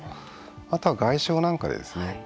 あとは外傷なんかですね。